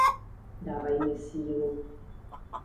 Dávají mi sílu.